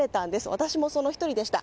私もその１人でした。